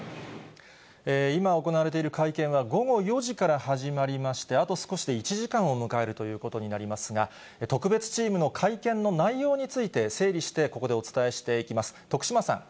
今、行われている会見は午後４時から始まりまして、あと少しで１時間を迎えるということになりますが、特別チームの会見の内容について、整理してここでお伝えしていきます。